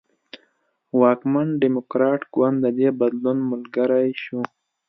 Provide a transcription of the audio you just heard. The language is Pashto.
واکمن ډیموکراټ ګوند د دې بدلون ملګری شو.